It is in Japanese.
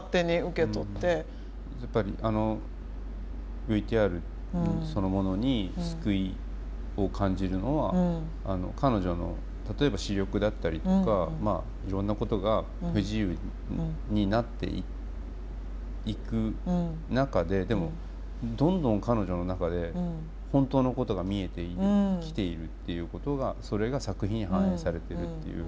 やっぱりあのＶＴＲそのものに救いを感じるのは彼女の例えば視力だったりとかいろんなことが不自由になっていく中ででもどんどん彼女の中で本当のことが見えてきているっていうことがそれが作品に反映されてるっていう。